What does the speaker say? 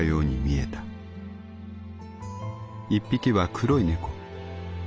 一匹は黒い猫。